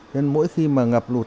nên mỗi khi mà ngập lụt